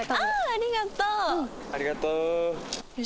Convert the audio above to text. ありがとう。